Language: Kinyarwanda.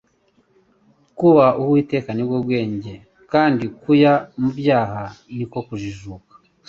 "Kubaha Uwiteka ni bwo bwenge kandi kuya mu byaha ni ko kujijuka".